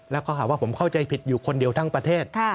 แล้วก็หาว่าผมเข้าใจผิดอยู่คนเดียวทั้งประเทศ